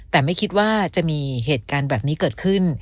แต่ไม่คิดว่าจะมีเหตุการณ์แบบนี้เกิดขึ้น